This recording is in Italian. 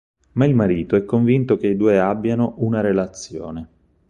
Ma il marito è convinto che i due abbiano una relazione.